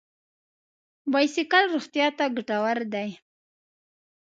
بایسکل روغتیا ته ګټور دی.